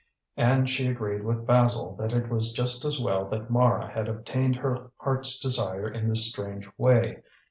And she agreed with Basil that it was just as well that Mara had obtained her heart's desire in this strange way.